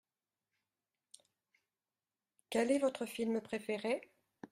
Quel est votre film préféré ?